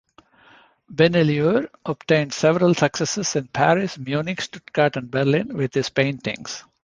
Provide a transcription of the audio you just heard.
Benlliure obtained several successes in Paris, Munich, Stuttgart and Berlin with his paintings.